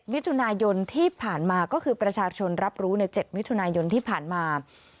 มิถุนายนที่ผ่านมาก็คือประชาชนรับรู้ใน๗มิถุนายนที่ผ่านมา